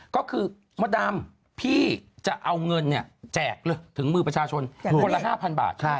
ก็คือมดดำพี่จะเอาเงินแจกเลยถึงมือประชาชนคนละ๕๐๐บาท